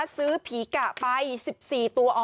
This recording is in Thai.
ซื้อผีกะไป๑๔ตัว